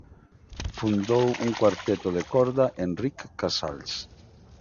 Fundou o cuarteto de corda "Enric Casals".